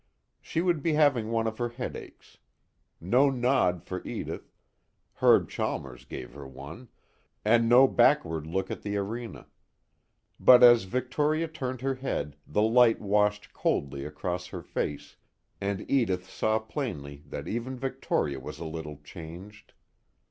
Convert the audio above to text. She would be having one of her headaches. No nod for Edith Herb Chalmers gave her one and no backward look at the arena; but as Victoria turned her head the light washed coldly across her face, and Edith saw plainly that even Victoria was a little changed.